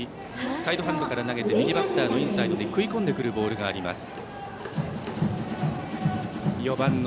サイドハンドから投げて右バッターのインサイドに食い込むボールがあります。